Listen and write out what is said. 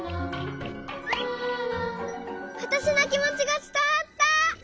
わたしのきもちがつたわった。